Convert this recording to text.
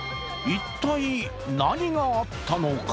一体、何があったのか？